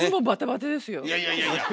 いやいやいやいや！